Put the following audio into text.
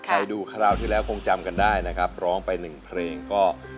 ใครดูคราวที่แล้วคงจำกันได้นะครับร้องไปหนึ่งเพลงก็